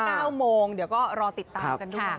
ชุม๑๙โมงเดี๋ยวก็รอติดตามด้วย